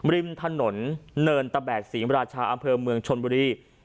ริมถนนเนินตะแบกศรีมราชาอำเภอเมืองชนบุรี